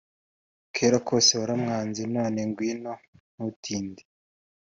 Kera kose waramwanze none ngwino ntutinde